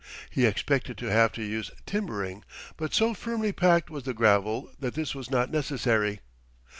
He expected to have to use timbering, but so firmly packed was the gravel that this was not necessary.